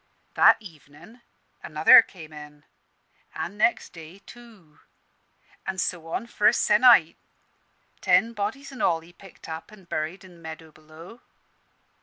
That evenin' another came in, an' next day, two; an' so on for a se'nnight. Ten bodies in all he picked up and buried i' the meadow below.